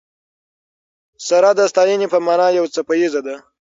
سره د ستاینې په مانا یو څپیزه ده.